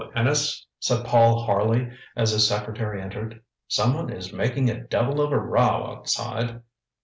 Innes, ŌĆØ said Paul Harley as his secretary entered. ŌĆ£Someone is making a devil of a row outside.